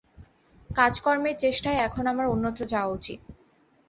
কাজকর্মের চেষ্টায় এখন আমার অন্যত্র যাওয়া উচিত।